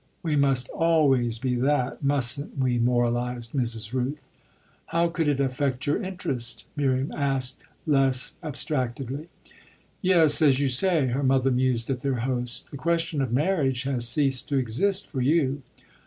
"We must always be that, mustn't we?" moralised Mrs. Rooth. "How could it affect your interest?" Miriam asked less abstractedly. "Yes, as you say," her mother mused at their host, "the question of marriage has ceased to exist for you."